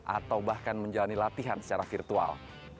atau bahkan menjalani latihan secara virtual